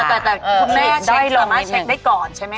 แต่คุณแม่สามารถเช็คได้ก่อนใช่ไหมค